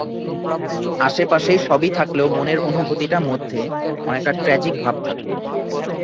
আশে পাশেই সবই থাকলেও মনের অনুভূতিটা মধ্যে অনেকটা ট্র্যাজিক ভাব থাকত।